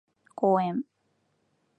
公園